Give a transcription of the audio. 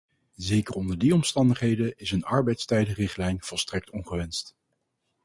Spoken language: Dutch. Zeker onder die omstandigheden is een arbeidstijdenrichtlijn volstrekt ongewenst.